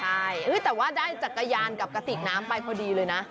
ใช่แต่ว่าได้จักรยานกับกระติกน้ำไปพอดีเลยนะ